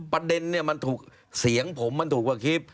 ประเด็นเนี่ยมันถูกเสียงผมมันถูกกว่าคลิป